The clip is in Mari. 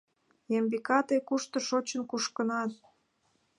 Ямбика, тый кушто шочын-кушкынат?